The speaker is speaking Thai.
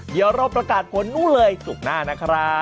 เดี๋ยวเราประกาศผลนู่นเลยศุกร์หน้านะครับ